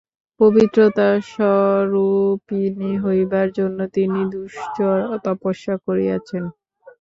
পবিত্রতা স্বরূপিণী হইবার জন্য তিনি দুশ্চর তপস্যা করিয়াছেন।